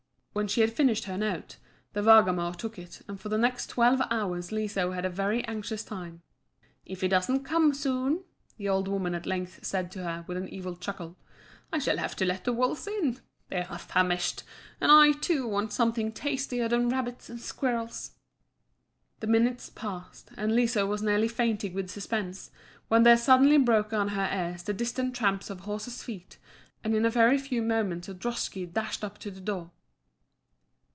When she had finished her note, the Vargamor took it, and for the next twelve hours Liso had a very anxious time. "If he doesn't come soon," the old woman at length said to her, with an evil chuckle, "I shall have to let the wolves in. They are famishing; and I, too, want something tastier than rabbits and squirrels." The minutes passed, and Liso was nearly fainting with suspense, when there suddenly broke on her ears the distant tramp of horses' feet; and in a very few moments a droshky dashed up to the door.